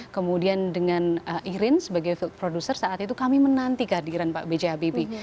kemudian dengan irin sebagai field producer saat itu kami menanti kehadiran pak b j habibie